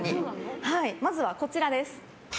まずはこちらです。